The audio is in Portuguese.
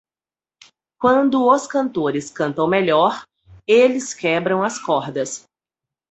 Quando os cantores cantam melhor, eles quebram as cordas.